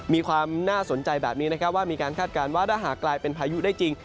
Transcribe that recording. มีความน่าสนใจแบบนี้นะครับว่ามีการคาดการณ์ว่าถ้าหากกลายเป็นพายุได้จริง